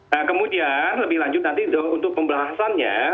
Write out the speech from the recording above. nah kemudian lebih lanjut nanti untuk pembahasannya